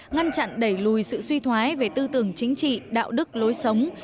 ngăn chặn đẩy lùi sự suy thoái về tư tưởng chính trị đạo đức lối sống